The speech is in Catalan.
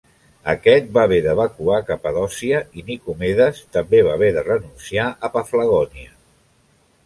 Aquest va haver d'evacuar Capadòcia i Nicomedes també va haver de renunciar a Paflagònia.